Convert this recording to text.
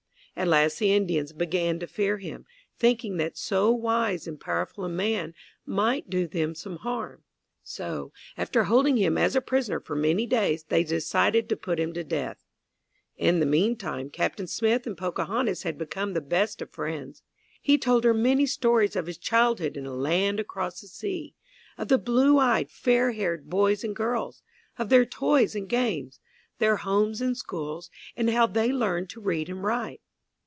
At last the Indians began to fear him, thinking that so wise and powerful a man might do them some harm. So, after holding him as a prisoner for many days, they decided to put him to death. In the meantime Captain Smith and Pocahontas had become the best of friends. He told her many stories of his childhood in a land across the sea of the blue eyed, fair haired boys and girls, of their toys and games, their homes and schools, and how they learned to read and write.